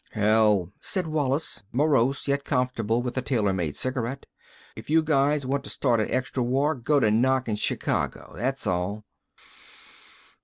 "Hell," said Wallis, morose yet comfortable with a tailor made cigarette. "If you guys want to start a extra war, go to knockin' Chicago. That's all."